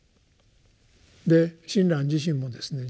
で親鸞自身もですね